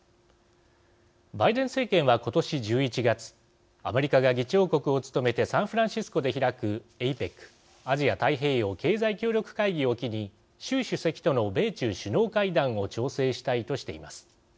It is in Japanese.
バイデン政権は今年１１月アメリカが議長国を務めてサンフランシスコで開くＡＰＥＣ＝アジア太平洋経済協力会議を機に習主席との米中首脳会談を調整したいとしています。